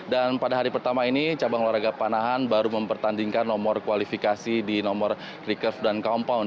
dan pada hari pertama ini cabang olahraga panahan baru mempertandingkan nomor kualifikasi di nomor recurve dan compound